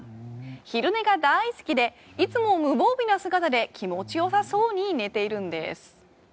昼寝が大好きでいつも無防備な姿で気持ちよさそうに寝ているんです。